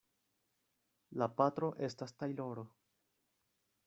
La patro estas tajloro.